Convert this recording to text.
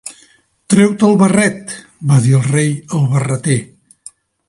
"Treu-te el barret", va dir el Rei al Barreter.